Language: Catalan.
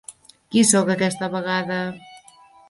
Qui sóc aquesta vegada?